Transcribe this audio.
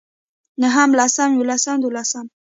نهم لسم يولسم دولسم